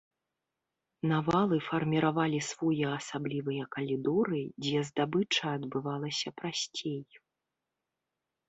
Навалы фарміравалі своеасаблівыя калідоры, дзе здабыча адбывалася прасцей.